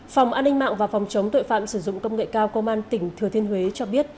phòng an ninh mạng và phòng chống tội phạm sử dụng công nghệ cao công an tỉnh thừa thiên huế cho biết